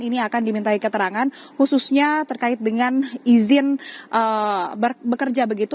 ini akan dimintai keterangan khususnya terkait dengan izin bekerja begitu